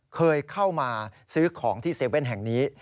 เคยเข้ามาซื้อของที่๗๑๑แห่งนี้